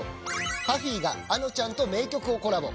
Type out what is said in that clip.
ＰＵＦＦＹがａｎｏちゃんと名曲をコラボ。